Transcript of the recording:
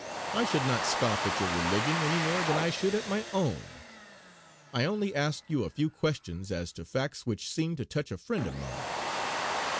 I should not scoff at your religion any more than I should at my own. I only asked you a few questions as to facts which seemed to touch a friend of mine."